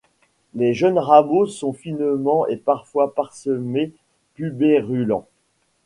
Les jeunes rameaux sont finement et parfois parsemés-pubérulents.